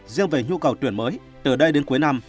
riêng về nhu cầu tuyển mới từ đây đến cuối năm